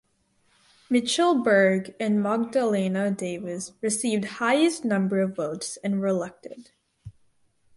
Michal Berg and Magdalena Davis received highest number of votes and were elected.